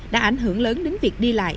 đã ảnh hưởng lớn đến việc đi lại